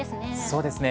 そうですね。